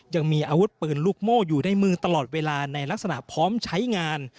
ยังมีอาวุธปืนลูกโม่อยู่ในมือตลอดเวลาในลักษณะพร้อมใช้งาน